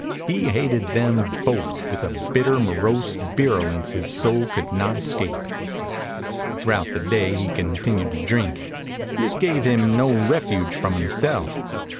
He hated them both with a bitter, morose virulence his soul could not escape. Throughout the day he continued to drink. This gave him no refuge from himself.